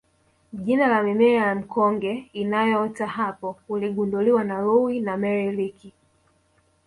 jina la mimea ya mkonge inayoota hapo uligunduliwa na Loui na Mary Leakey